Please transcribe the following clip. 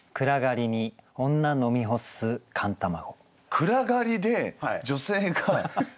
暗がりで女性が寒卵を。